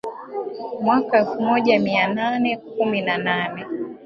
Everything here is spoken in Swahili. Mwaka elfu moja mia nane kumi na nane